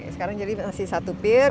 sekarang jadi masih satu pir